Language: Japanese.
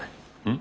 ん？